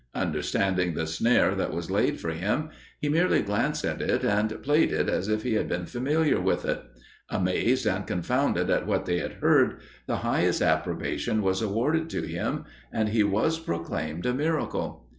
Understanding the snare that was laid for him, he merely glanced at it, and played it as if he had been familiar with it. Amazed and confounded at what they had heard, the highest approbation was awarded to him, and he was proclaimed a miracle.